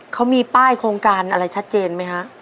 เขามีป้ายโครงการอะไรชัดเจนไหมฮะ